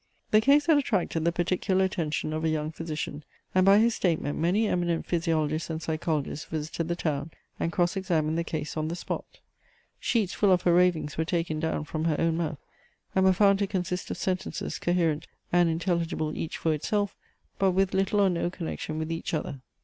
The case had attracted the particular attention of a young physician, and by his statement many eminent physiologists and psychologists visited the town, and cross examined the case on the spot. Sheets full of her ravings were taken down from her own mouth, and were found to consist of sentences, coherent and intelligible each for itself, but with little or no connection with each other.